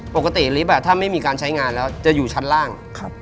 ปกติลิฟต์ถ้าไม่มีการใช้งานแล้วจะอยู่ชั้นล่าง